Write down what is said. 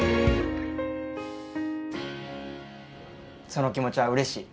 その気持ちはうれしい。